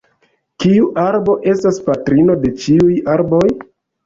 Kiu arbo estas patrino de ĉiuj arboj?